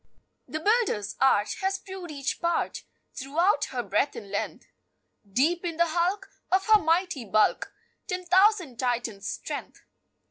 "The builder's art Has proved each part Throughout her breadth and length; Deep in the hulk, Of her mighty bulk, Ten thousand Titans' strength."